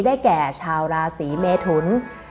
แก่ชาวราศีเมทุน